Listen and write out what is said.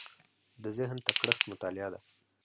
د ذهن تکړښت مطالعه ده.